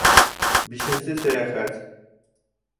БИШЕНСЕ СӘЙӘХӘТ